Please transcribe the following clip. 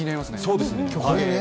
そうですよね。